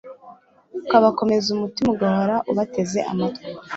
ukabakomeza umutima ugahora ubateze amatwi